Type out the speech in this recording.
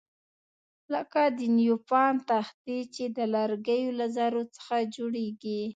لکه د نیوپان تختې چې د لرګیو له ذرو څخه جوړیږي.